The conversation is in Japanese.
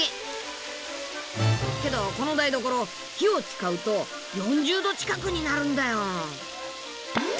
けどこの台所火を使うと４０度近くになるんだよ。